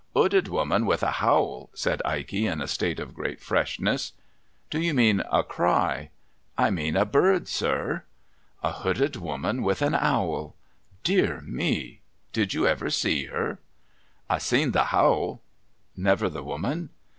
' 'Ooded woman with a howl,' said Ikey, in a state of great freshness. ' Do you mean a cry ?'' I mean a bird, sir.' ' A hooded woman with an owl. Dear me ! Did you ever see her ?'' I seen the howl.' ' Never the woman